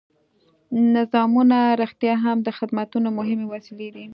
نظامونه رښتیا هم د خدماتو مهمې وسیلې دي.